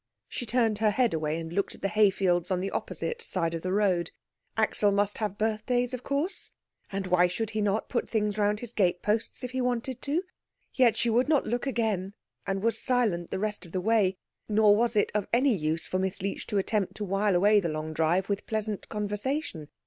She turned her head away, and looked at the hay fields on the opposite side of the road. Axel must have birthdays, of course, and why should he not put things round his gate posts if he wanted to? Yet she would not look again, and was silent the rest of the way; nor was it of any use for Miss Leech to attempt to while away the long drive with pleasant conversation.